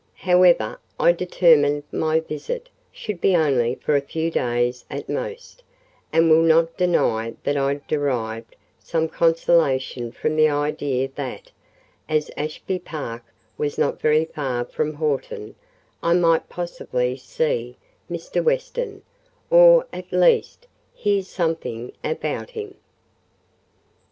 However, I determined my visit should be only for a few days at most; and I will not deny that I derived some consolation from the idea that, as Ashby Park was not very far from Horton, I might possibly see Mr. Weston, or, at least, hear something about him.